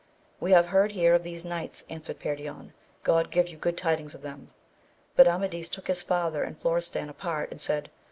We have heard here of these knights, answered Perion. God give you good tidings of them ! But Amadis took his father and Florestan apart and said.